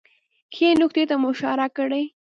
ښې نکتې ته مو اشاره کړې